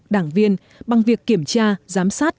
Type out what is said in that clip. đảng viên bằng việc kiểm tra giám sát